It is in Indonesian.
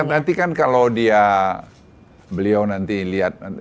nanti kan kalau dia beliau nanti lihat